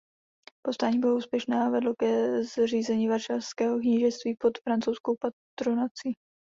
Povstání bylo úspěšné a vedlo ke zřízení Varšavského knížectví pod francouzskou patronací.